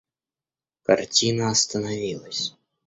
Картина остановилась.